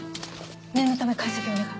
念のため解析お願い。